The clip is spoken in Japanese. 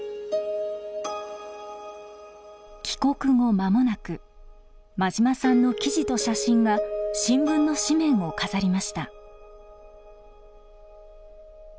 帰国後間もなく馬島さんの記事と写真が新聞の紙面を飾りました。